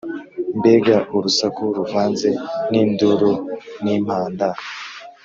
Mbega urusaku ruvanze n’induru n’impanda;